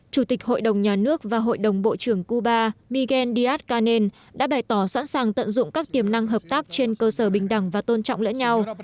chủ tịch hội đồng nhà nước và hội đồng bộ trưởng cuba miguel díaz canel đã bày tỏ sẵn sàng tận dụng các tiềm năng hợp tác trên cơ sở bình đẳng và tôn trọng lẫn nhau